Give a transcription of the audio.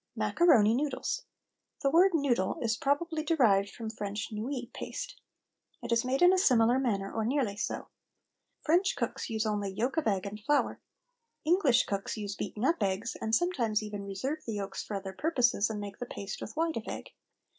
MACARONI NUDELS. The word nudel is probably derived from French nouilles paste. It is made in a similar manner, or nearly so. French cooks use only yolk of egg and flour. English cooks use beaten up eggs, and sometimes even reserve the yolks for other purposes and make the paste with white of egg.